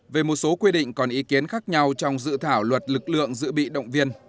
về một số quy định còn ý kiến khác nhau trong dự thảo luật lực lượng dự bị động viên